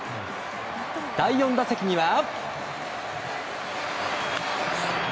第４打席には。